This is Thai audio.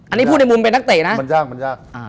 อันนี้พูดในมุมเป็นนักเตะนะมันยากมันยาก